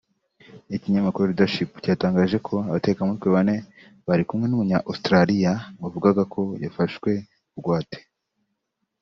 Ikinyamakuru Leadership cyatangaje ko abatekamutwe bane bari kumwe n’Umunya-Australia wavugaga ko yafashwe bugwate